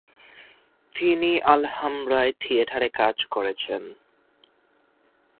তিনি আল-হামরায় থিয়েটারে কাজ করেছেন।